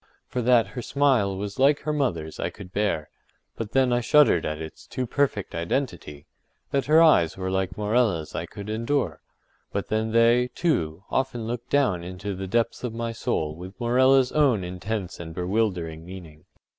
For that her smile was like her mother’s I could bear; but then I shuddered at its too perfect _identity_—that her eyes were like Morella’s I could endure; but then they, too, often looked down into the depths of my soul with Morella’s own intense and bewildering meaning.